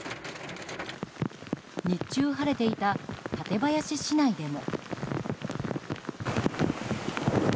日中、晴れていた館林市内でも。